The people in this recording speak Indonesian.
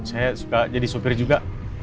saya suka jadi sopir juga